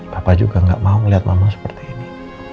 papa juga nggak mau melihat mama seperti ini